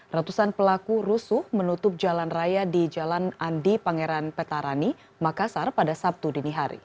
ratusan pelaku rusuh menutup jalan raya di jalan andi pangeran petarani makassar pada sabtu dini hari